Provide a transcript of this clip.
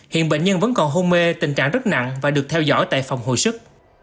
hiện bệnh nhân vẫn còn hôn mê tình trạng rất nặng và được theo dõi tại phòng hồi sức